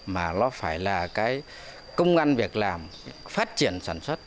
mà nó phải là cái công ngăn việc làm phát triển sản xuất